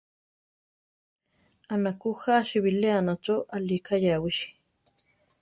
Anakú jási biléana cho alí kayawísi.